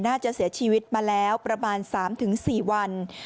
น่าจะเสียชีวิตมาแล้วประมาณ๓๔วัน